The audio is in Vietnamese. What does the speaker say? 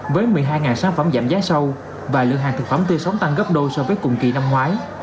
với một mươi hai sản phẩm giảm giá sâu và lượng hàng thực phẩm tươi sống tăng gấp đôi so với cùng kỳ năm ngoái